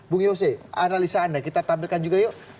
bung yose analisa anda kita tampilkan juga yuk